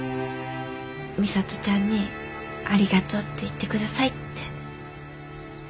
美里ちゃんに『ありがとう』って言って下さい」って。